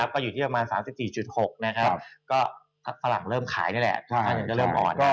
ก็อยู่ที่ประมาณ๓๔๖นะครับก็พักฝรั่งเริ่มขายนี่แหละค่าเงินก็เริ่มอ่อน